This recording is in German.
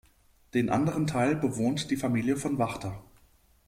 Den anderen Teil bewohnt die Familie von Wachter.